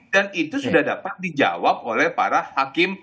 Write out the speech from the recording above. dan itu sudah dapat dijawab oleh para hakim